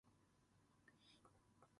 ひじきは栄養がある